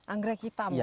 anggrek hitam ya